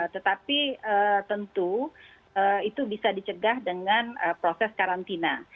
tetapi tentu itu bisa dicegah dengan proses karantina